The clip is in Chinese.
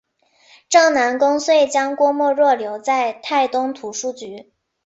赵南公遂将郭沫若留在泰东图书局。